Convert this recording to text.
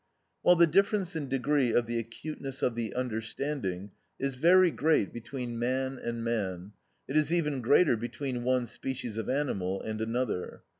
While the difference in degree of the acuteness of the understanding, is very great between man and man, it is even greater between one species of animal and another.